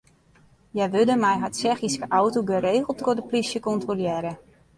Hja wurde mei har Tsjechyske auto geregeld troch de plysje kontrolearre.